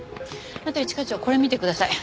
あと一課長これ見てください。